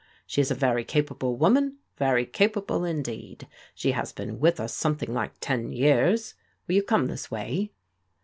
She is a very capable woman, very capable indeed. She has been with us something like ten years. Will you come this way